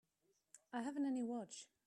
I haven't any watch.